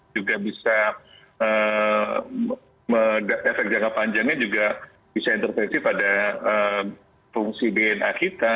juga bisa efek jangka panjangnya juga bisa intervensi pada fungsi dna kita